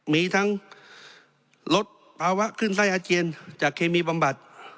มีทั้งลดภาวะขึ้นไส้อาเจียนจากเคมีบำบัด